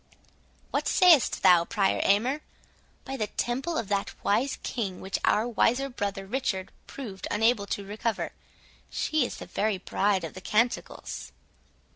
What sayest thou, Prior Aymer?—By the Temple of that wise king, which our wiser brother Richard proved unable to recover, she is the very Bride of the Canticles!"